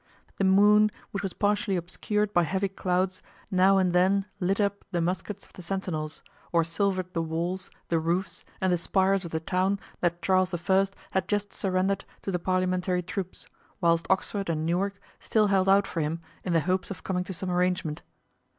The moon, which was partially obscured by heavy clouds, now and then lit up the muskets of the sentinels, or silvered the walls, the roofs, and the spires of the town that Charles I. had just surrendered to the parliamentary troops, whilst Oxford and Newark still held out for him in the hopes of coming to some arrangement.